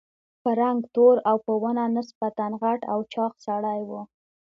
په رنګ تور او په ونه نسبتاً غټ او چاغ سړی و.